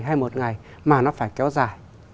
hay một ngày mà nó phải kéo dài